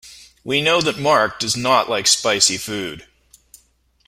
We know that Mark does not like spicy food.